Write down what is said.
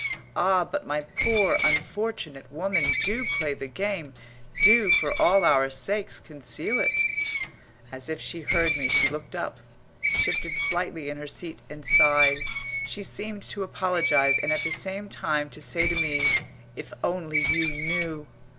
Ah, but my poor, unfortunate woman, do play the game do, for all our sakes, conceal it! As if she heard me, she looked up, shifted slightly in her seat and sighed. She seemed to apologise and at the same time to say to me, "If only you knew!"